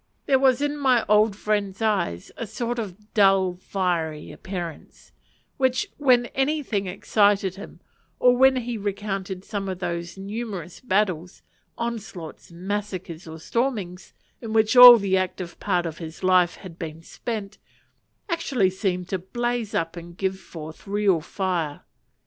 There was in my old friend's eyes a sort of dull fiery appearance, which, when anything excited him, or when he recounted some of those numerous battles, onslaughts, massacres, or stormings, in which all the active part of his life had been spent, actually seemed to blaze up and give forth real fire.